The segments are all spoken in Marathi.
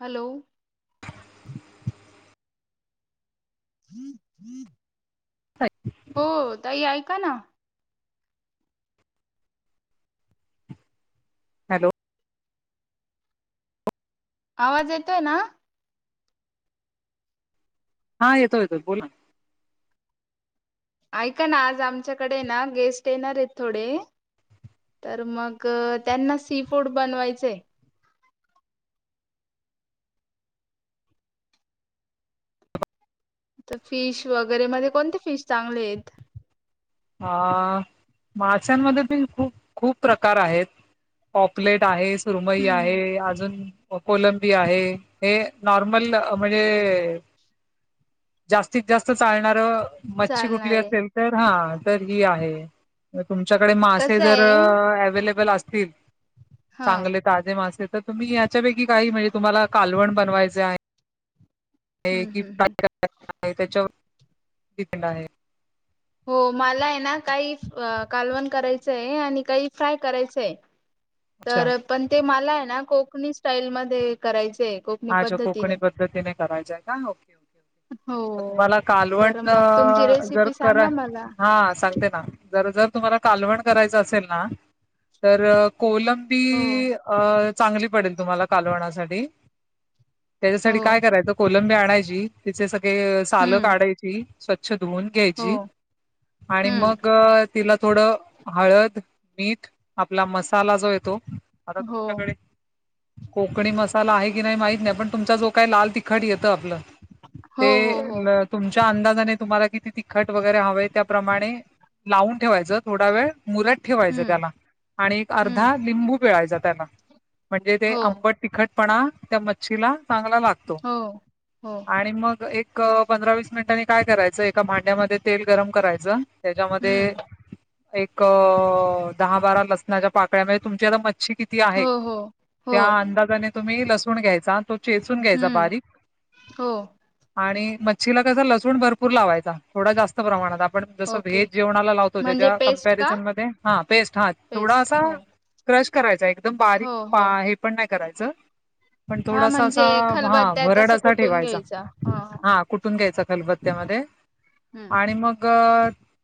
हॅलो [inaudible] हम्म हम्म ह हो तई ऐका ना हॅलो आवाज येतोय ना हा येतो येतो बोला ऐका ना आज आमच्याकडे ना गेस्ट येणार आहेत थोडे तर मग त्यांना सी फूड बनवायचंय तर फिश वगैरे मध्ये कोणते फिश चांगले आहेत अ माशांमध्ये पी खूप खूप प्रकार आहेत पॉकलेट आहे सुरमई हम्म आहे हम् अजून कोलंबी आहे हे नॉर्मल म्हणजे जास्तीत जास्त चालणार मच्छी कुठली चालणार आहे असेल तर हा तर ही आहे तुमच्याकडे मासे कसं जर आहे अव्लेबल असतील हा चांगले ताजे मासे तर तुम्ही याच्यापैकी काही म्हणजे तुम्हाला कालवण बनवायचे आहे हम्म किय हम्म हम् त्याच्यावर िपेंड आहे हो मला आहे ना काही कालवण करायचं आहे आणि काही फ्राय करायचं आहे अच्छा तर... पण ते मला ए ना... कोकणी स्टाईलमध्ये करायचंय कोकणी हा जो पद्धतीने कोकणी पद्धतीने करायचे ना... ओेके... हो ओके मग तुम्हाला कालवण... तर मग तुमची जर रेसिपी करा... सांगा मला हा, सांगते ना जर, जर तुम्हाला कालवण करायचं असेल ना तर- हो कोलंबी... अ... चांगली पडेल तुम्हाला कालवणासाठी त्याच्यासाठी हो काय करायचं, कोलंबी आणायची, तिचे सगळे सालं हम्म, काढायची... स्वच्छ धुवून हो, घ्यायची आणि हम्म, मग तिला थोडं हळद, मीठ, आपला मसाला जो येतो आता हो, तुमच्याकडे कोकणी मसाला आहे की नाही माहित नाही, पण तुमचा जो काही लाल तिखट येतं आपलं हो, हो, ते हो, न तुमच्या अंदाजाने, तुम्हाला किती तिखट वगैरे हवे त्याप्रमाणे लावून ठेवायचं, थोडा वेळ मुरत ठेवायचं हम्म, त्याला आणि एक हम्म, अर्धा लिंबू पिळायचा त्याला, म्हणजे ते हो, आंबट तिखटपणा त्या मच्छीला चांगला लागतो हो, हो, आणि मग एक एक पंधरा वीस मिनिटांनी काय करायचं, एका भांड्यामध्ये तेल गरम करायचं त्याच्यामध्ये हम्म, एक... दहा बारा लसणाच्या पाकळ्या, म्हणजे तुमची आता मछ च्छी किती आहे हो, हो, हो, त्या अंदाजाने तुम्ही लसूण घ्यायचा, तो चेचून घ्यायचा हम्म, बारीक हो, आणि मच्छीला कसं, लसूण भरपूर लावायचा थोडा जास्त प्रमाणात... आपण जसं ओके. व्हेज जेवणाला लावतो, म्हणजे त्याच्या पेस्ट का? कम्पॅरिझनमध्ये... हा... पेस्ट हा थोडा पेस्ट असा हो क्रश करायचा, एकदम बारीक... हो, हो. हे पण नाही करायचं पण हा थोडासा म्हणजे असा हा... खलबत्त्यात भरड असं असा कुटून ठेवायचा... घ्यायचा. हा कुटून घ्यायचा खलबत्त्यामध्ये हम्म, आणि मग...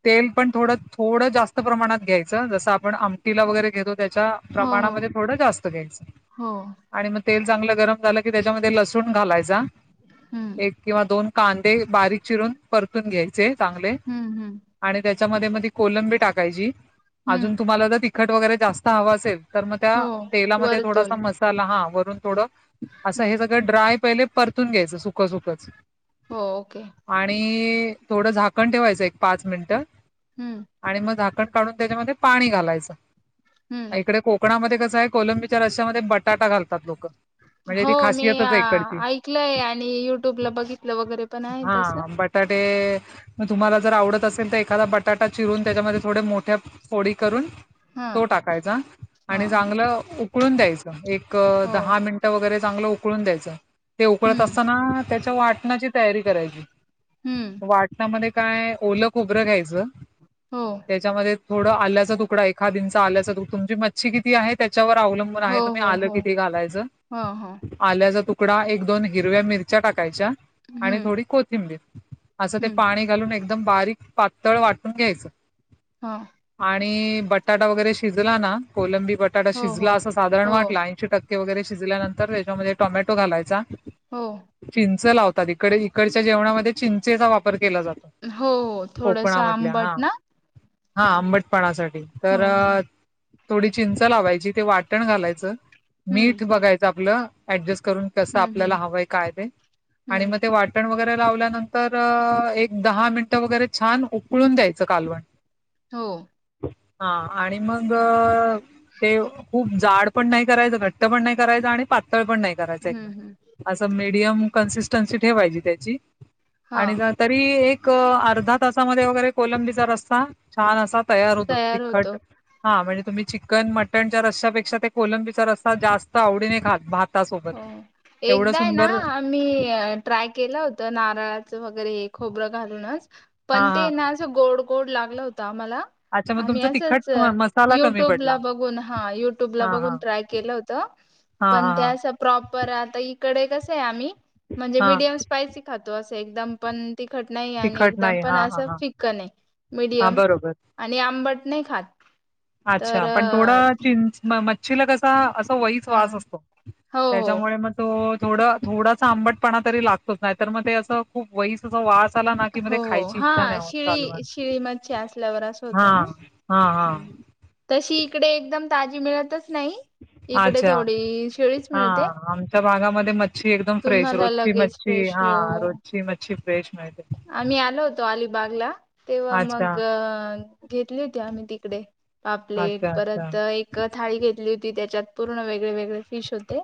तेल पण थोडं... थोडं जास्त प्रमाणात घ्यायचं जसं आपण आपण आमटीला हो, वगरे घेतो त्याच्या हो, हो, प्रमाणामध्ये थोडं जास्त घ्यायचं हो, आणि मग तेल चांगलं गरम झालं की त्याच्यामध्ये लसूण घालायचा हम्म, एक किंवा दोन कांदे बारीक चिरून, परतून घ्यायचे चांगले हम्म, हम्म, आणि त्याच्यामध्ये मध्ये कोलंबी टाकायची, अजून हम्म, तुम्हाला तर तिखट वगैरे जास्त हवं असेल तर मग त्या, हो, तेलामध्ये थोडासा वरतून मसाला... हा वरून थोडं असं हे हम्म, सगळं ड्राय पाहिलं परतून घ्यायचं, सुक्क सुक्कच हो, ओके. आणि थोडं झाकण ठेवायचं एक पाच मिनिटं हम्म आणि मग झाकण काढून त्याच्यामध्ये पाणी घालायचं हम्म, इकडे को कणामध्ये कसं हाये... कोलंबीच्या रश्यामध्ये बटाटा घालतात लोकं हो... मी ऐकलंय आणि युट्यूबला बघितलं वगैरे पण आहे तसं [unintelligible] मग तुम्हाला जर आवडत असेल तर, एखादा बटाटा चिरून, त्याच्यामध्ये थोडे मोठ्या फोडी करून हा तो टाकायचा हा आणि हा चांगलं उकळून द्यायचं एक हो दहा मिन टं वगैरे चांगलं उकळून द्यायचं, ते उकळत हम्म असताना त्याच्या वाटणाची तयारी करायची हम्म वाटणामध्ये काय... ओलं खोबरं घ्यायचं हो त्याच्यामध्ये थोडं आल्याचा तुकडा, एखादं इंच आल्याचा तुक... तुमची म च्छी किती आहे त्याच्यावर अवलंबून हो आहे तुम्ही हो आलं हो किती घालायचं हा हा आल्याचा तुकडा, एक दोन हिरव्या मिरच्या टाकायच्या आणि हम्म थोडी कोथिंबीर असं ते हम्म पाणी घालून, एकदम बारीक पातळ वाटून घ्यायचं हा आणि बटाटा वगैरे शिजला ना, कोलंबी बटाटा हो हो शिजला असं साधारण हो वाटलं, ऐंशी टक्के वगैरे शिजल्यानंतर त्याच्यामध्ये टोमॅटो घालायचा हो चिंच लावतात इकडे, इकडच्या जेवणामध्ये चिंचेचा वापर जात हो हो थोडस कोकणामध आंबट हा. ना हा आंबटपणासाठी हो तर हो थोडी चिंच लावायची ते वाट. चटण घालायचं हम्म मीठ बघायचं आपलं ऍडजस्ट करून. कस हम्म आपल्याला हम्म हवंय काय ते आणि मग हम्म ते वाट. पटण वगैरे लावल्यानंतर एक दहा मिनिटं वगैरे छान उकळून द्यायचं कालवण. हो. हा आणि मग ते खूप जाड पण नाही करायचं का. त पण नाही करायचं आणि पातळ पण नाही करायच एकदम. हम्म हम्म असं मीडियम कन्सिस्टन्सी ठेवायची त्याची हा आणि. तरी एक अर्धा तासामध्ये वगैरे कोलंबीचा रस्ता छान असा. तयार होत तिखट हा म्हणजे तुम्ही चिकन मटनच्या र्यापेक्षा कोलंबीचा रस्. जास्त आवडीने खात भात. हो एकदा आहे ना. मी‌ ट्राय के होत नारळाच वगरे खो घालूनच हा पण. हा गोड गोड लागला होता मला. अच्छा मग आम्ही तुमचा असंच तिखट म मसाला कमी पडला युट्यूबला बघून हा युट्यूबला हां, बघून हां, ट्राय केलं होतं. हां, पण हां, हां, त्या स. प्रॉपर आता इकडे कस आहे आम्ही म्हणजे हां, मिीडयम स्पायसी खातो असं एकदम पण. तीखट नाही आणि तिखट एकदम नाही. पण हां, हां, असं हां, फिक्क नाही हां, मीडियम. बरोबर. आणि आंबट नाही खात. तर अच्छा पण थोडं चिं. शिलकसा अस वहीच हा वास असतो हो हो त्याच्यामुळे मग. तो थोड थोडासा आंबटपणा तरी लागतोच नाही तर मग ते असं. खूप वईस अस वास आला ना कि हो मध्ये खायची हा इच्छा नाही होत शिळी चालवण शिळी मच्छी असल्यावर असं हा. होतं ना हा हा. हम्म. तशी इकडे एकदम ताजी मिळतच नाही. इकडे अच्छा थोडी शिळीच हा मिळते आमच्या भागामध्ये मच्छी एकदम फ्रेश तुम्हाला रोजची लगेच मच्छी. छ फ्रेश हो हा हो. रोजची मच्छी फ्रेश मिहिते. आम्ही आलो होतो अलिबागला तेव्हा मग अच्छा, अ घेतली होती आम्ही तिकडे. पापलेट अच्छा, अच्छा. परत एक थाळी घेतली होती त्याच्यात पूर्ण वेगळे वेगळे फिश होते.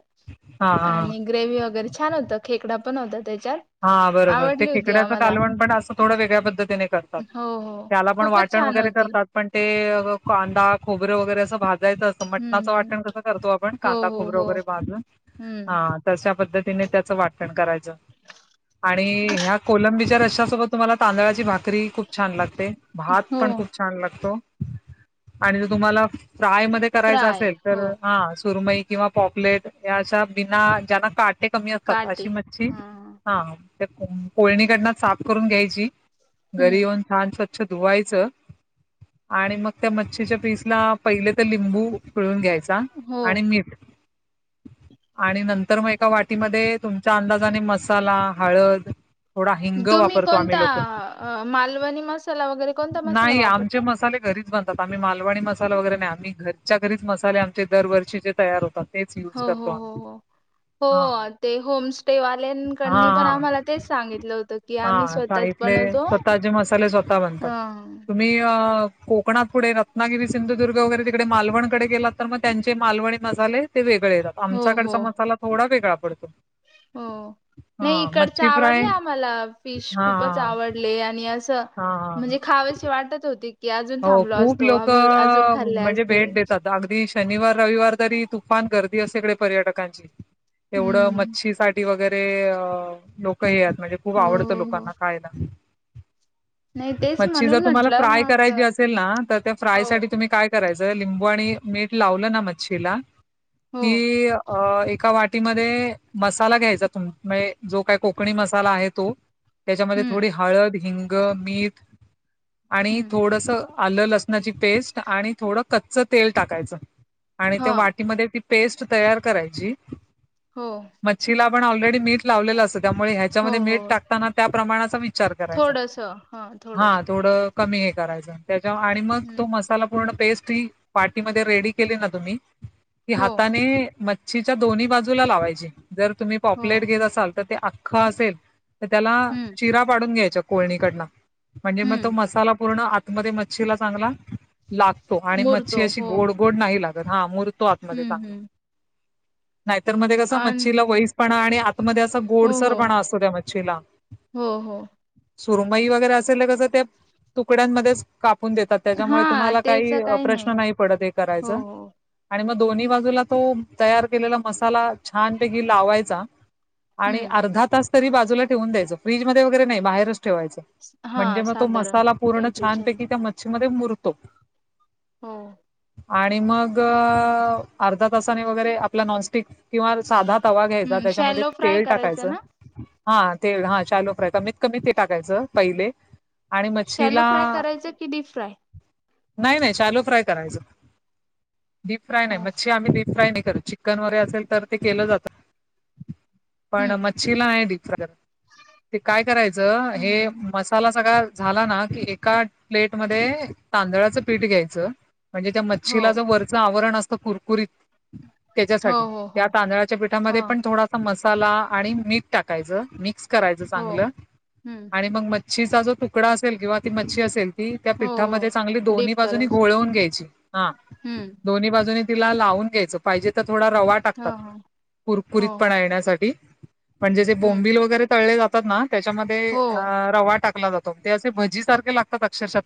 हां, हां, आणि ग्रेवी वगैरे छान होत खेकडा पण होता त्याच्यावर. हा बरोबर ते टिकड्या. कालवण पण असं थोड वेगळ्या पद्धतीने करतात हो हो त्याला पण खूपच वाटण छान वगैरे होती करतात. पण ते कांदा, खोबरे वगैरे असं भाज. जायचं असत हम्म मटणाचं हम्म. वाटण कसं करतो आपण हो कांदा हो खोबरं हो. वगैरे भाजून हम्म हा. तशा पद्धतीने त्याचं वाटण करायचं. आणि ह्या कोलंबीच्या रशयासोबत तुम्हाला तांदळाची भाात. करी खूप छान लागते भात हो पण खूप. छान लागतो आणि तुम्हाला फ्राय म. करा फ्राय असेल तर हो ह सुरमई किंवा पॉकलेट याश बिना जना का. ते कमी असतात काटे अशी मच्छी. हा हा कोळणीकडन साफ करून घ्यायची घरी हम्म येऊन. छान स्वच्छ धुवायचं. आणि मग त्या मच्छीच्या पीसला पहिले तर लिंबू पिळून घ्यायचा हो आणि मीठ. आणि नंतर मग एका वाटीमध्ये तुमच्या अंदाजाने मसाला हळद. थोडा हिंग तुम्ही वापरतो आम्ही कोणता लोक अ, मालवणी मसाला वगैरे कोणता मसाला नाही आमचे वापरता मसाले घरीच बनत. आम्ही मालवाणी मसाला वगैरे नाही आम्ही घरच्या घरीच मसाले आमचे दरवर्षीचे तयार होतात. तेच युज हो हो करतो हो आम्ही हो हा हो ते होम. हा तेवाल्यांकडनी पण आम्हाला तेच सांगितलं होतं की आम्ही स्वतःच बनवतो. ताजे मसाले स्वतः ह बनतात. मी कोकणात पुढे रत्नागिरी, सिंधुदुर्ग वगैरे तिकडे मालवणकडे गेलात तर मग त्यांचे मालवणी मसाले ते वेगळे येतात हो हो आमच्याकडचा मसाला थोडा वेगळा पडतो. हो. नाही हा इकडच मच्छी फ्राय आवडले आम्हाला फिश हा खूपच हा आवडले आणि असं हा म्हणजे खावशी वाटत होती की आजून हो थांबलो खूप असतो आजून खाल्ले असते. आगदी शनिवार रविवार तरी तुफान गर्दी असे इकडे पर्यटकांची. एवढं हम्म मच्छीसाठी वगैरे अ लोक हे आहेत म्हणजे खूप हो आवडतं हो हो. लोकांना खायला. नाही तेच मच्छी जर म्हणून तुम्हाला म्हंटलं फ्राय मग करायची असेल ना तर त्या हो फ्रायसाठी तुम्ही काय करायचं लिंबू आणि मीठ लावलं ना मच्छीला हो कि अ एका वाटीम ध्ये मसाला घ्यायचा तू म जो काय कोकनी मसाला आहे तो तेच्यामधे हम्म थोडी ह हळद, हिंग, मीठ आणि हम्म थोडस आलं लसणाची पेस्ट आणि थोडं कच्च तेल टाकायचं. आणि ह त्या वाटीमध्ये ती पेस्ट तयार करायची हो. मच्छीला आपण ऑलरेडी मीट लावलेलं असत त्यामूळ ह्या हो त्याच्यामध्ये हो मीठ टाकताना त्या प्रमाणाचा विचार करायचा थोडस हा हा थोडस थोड कमी हे करायचं त्याच्या आणि मग तो हम्म मसाला पूर्ण पेस्ट ही पार्टीमध्ये रेडी केले ना तुम्ही की हो हाताने म मच्छीच्या दोन्ही बाजूला लावायची जर तुम्ही हो पॉपलेट घेत असाल तर ते आख्खं असेल त्याला हम्म चिरा पाडून घ्यायच्या कोळणीकडन म्हणजे म तो हम्म मसाला पूर्ण आतमध्ये मच्छीला चांगला लागतो आणि मुरतो मच्छी अशी हो गोड गोड नाही लाग हा मुरतो आतमध्ये हम्म चांगला. हम्म नाहीतर म कस आणि मच्छीला वैसपणा आणि आतमध्ये अस हो हो गोडसरपणा असतो त्या मच्छीला. हो हो. सुरुमई वगैरे असेल कसं त्या तुकड्यांमध्येच कापून देतात त्याच्यामुळे तुम्हाला काही प्रश्न नाही पडत हे हो करायचं. हो आणि मग दोन्ही बाजूला तो तयार केलेला मसाला छानपैकी लावायचा आणि हम्म अर्धा तास तरी बाजूला ठेवून द्यायचं फ्रीज मध्ये वगैरे नाही बाहेरच ठेवायच. हा साधारण साला पूर्ण टेम्परेचर छानपैकी त्या मच्छीमध्ये मुरतो. हो. आणि मग अर्धा तासाने वगैरे आपला नॉनस्टिक किंवा साधा तवा घ्यायचा हम्म त्याच्यामध्ये शॅलो फ्राय तेल करायचं टाकायचं ना हा ते हा शालोफ्राय कमीतकमी ते टाकायचं पहिले आणि शॅलो मच्छीला फ्राय करायचं की डीप फ्राय नाही नाही शालोफ्राय करायच. डी-फ्राय नाही हो मच्छी आम्ही डी-फ्राय नाही करत चिकन वगैरे असेल तर ते केलं जातं. पण हम्म मच्छीला हे डीफ्राय ते काय करायचं हे हम्म मसाला सगळा झाला ना की एका प्लेट मध्ये तांदळाचं पीठ घ्यायचं म्हणजे त्या हो मच्छीला जो वरचं आवरण असतं कुरकुरीत हो त्याच्यासाठी हो त्या हो तांदळाच्या पीठामध्ये ह पण थोडा सा मसाला आणि मीठ टाकायचं मिक्स करायचं हो चांगलं हम्म, आणि मग म च्छीचा जो तुकडा असेल किंवा ती मच्छी असेल ती त्या हो, पिठामध्ये चांगली हो. डीप दोन्ही बाजूनी करायचे. घोळवून घ्यायची हा हम्म. दोन्ही बाजूनी तिला लावून घ्यायचं पाहिजे तर थोडा रवा टाकतात हा, हा. कुरकुरीत हो, हो. पणा येण्यासाठी म्हणजे जे हम्म. बोंबील वगैरे तळले जातात ना त्याच्यामध्ये हो, रवा टाकला जा तो ते असे भजीसारखे लाग तात अक्षरशः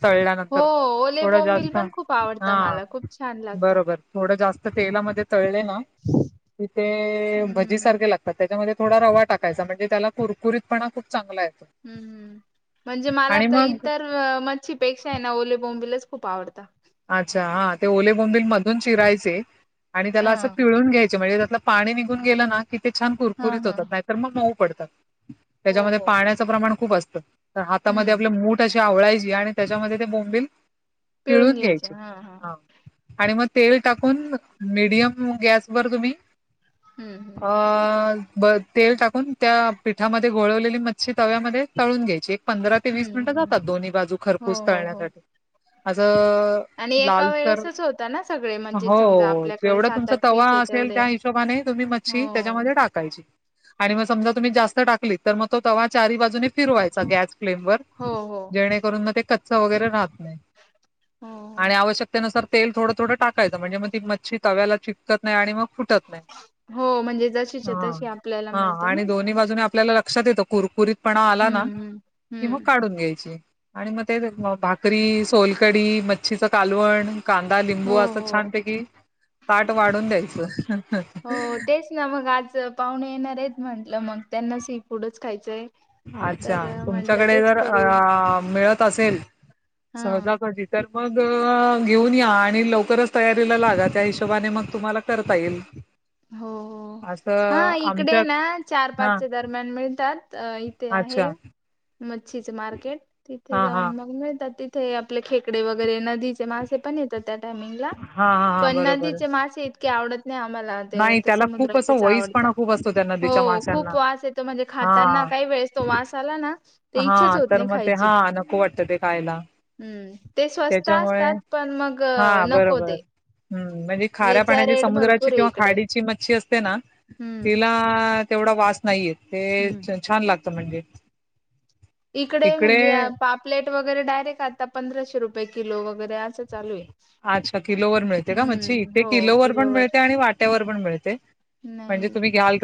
हो. तळल्यानंतर ओले थोडं बोंबील जास्त पण खूप हा आवडता मला. खूप छान लागता. बरोबर थोडं जास्त तेलामध्ये तळले ना तिथे हम्म. भजीसारखे लागतात त्याच्यामध्ये थोडा रवा टाकायचा म्हणजे त्याला कुरकुरीतपणा खूप चांगला येतो. हम्म हम्म म्हणजे मला आणि तर मग इतर मच्छीपेक्षा आहे ना ओले बोंबीलाच खूप आवडता. अच्छा हा ते ओलेबोंबिल मधून चिरायचे आणि त्याला हा, असं पिळून घ्यायचे म्हणजे त्यातलं पाणी निघून गेलं ना कि ते छान हा, कुरकुरीत हा. होतात नाहीतर मग मऊ पडतात हो, त्याच्यामध्ये हो. पाण्यात प्रमाण खूप असत हातमध्ये आप हम्म. मूठ अशी आवळायची आणि त्याच्यामध्ये ते बोंबल पिळून घ्यायचे हा हा. आणि मग तेल टाकून मडियम गॅसवरर तुम्ही हम्म, हा हम्म. बघ. तेल टाकून त्या पिठामध्ये गोळवलेली मच्छी तव्यामध्ये तळून घ्यायची. पंधरा ते वीस हम्म, मिनिटं हम्म. जातात दोन्ही बाजू हो, खरपूस हो, तळण्या हो. करता असं. आणि एका लालसर वेळेसच होता ना सगळे म्हणजे हो समजा आपल्याकडे तेवढं सात तुमचा आठ तवा पीस आहे असेल तेवढे. त्या हिशोबाने तुम्ही म हो, मछी त्याच्यामध्ये टाक आणि मग समजा तुम्ही जास्त टाकली तर मग तो तवा चारी बाजूने फिरवायचा गस फ्लेम वर हो, हो. जेणेकरून म ते कच्चा वगैरे राहत नाही. हो. हो. आणि आवश्यकतेनुसर तेल थोडं थोडं टाकायचं म्हणजे मग ती मच्छी तव्याला चिपकत नाही आणि मग फुटत नाही. हो म्हणजे जशीच्या हा तशी आपल्याला हा मिळते ना आणि दोन्ही बाजूने आपल्याला लक्षात येतो. कुरकुरीतपणा आला ना हम्म हम्म कि मग हम्म काढून घ्यायची. आणि मग ते भाकरी, सोलकडी, मच्छीचं कालवण कांदा, लिंबू हो असं हो छान पैकी ताट वाढून द्यायचं. हो तेच ना मग आज पाहुणे येणार आहेत म्हंटलं मग त्यांना सी फूडच खायचंय. अच्छा तर म्हटलं तुमच्याकडे तेच जर करू अ मिळत असेल हा सहजा, सहजी. तर मग घेऊन या आणि लवकरच तयारीला लागा त्या हिशोबाने मग तुम्हाला करता येईल. हो हो हा असं आमच्या इकडे ना चार, हां, पाचच्या दरम्यान मिळतात. ते अच्छा. आहे. मच्छीचे मार्केट तिथे हां, जाऊन हां. मग मिळतात तिथे आपले खेकडे वगैरे न नदीचे मासे पण येतात त्या टामिंगला हां, हां, हां. पण बरोबर आहे. नदीचे मासे इतके आवडत नाही आम्हाला. ते नाही ते त्याला खूप असं समुद्राचे आवड वईसपणा खूप असतो त्या नदीच्या खूप माशांना. वास येत म्हणजे खातना हां, काही वेळेस तो वास आला ना तर इच्छाच हां. होत तर नाही मग ते खायची हां, नको वाटतं ते खायला. हम्म ते स्वस्त त्याच्यामुळे असतात पण मग हां, नको बरोबर. ते हं, याचा रेट भरपूर आहे इकडे. मछी अस तेना हम्म तिला तेवढा वास नाहीये हम्म. ते छान लागत म्हणजे. इकडे म्हणजे पापलेट वगैरे डायरेक्ट आता पंधराशे रुपये किलो वगैरे असं चालू आहे. अच्छा किलोवर मिळते का मछी हम्म इथे हो किलोवर पण मिळते आणि वाट्यावर पण मिळते. नाही म्हणजे तुम्ही घ्याल